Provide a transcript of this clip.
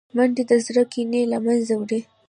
منډه د زړه کینې له منځه وړي